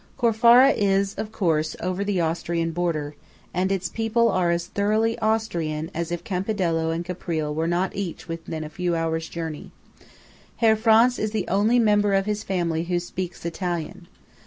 Corfara is, of course, over the Austrian border, and its people are as thoroughly Austrian as if Campidello and Caprile were not each within a few hours' journey. Herr Franz is the only member of his family who speaks Italian.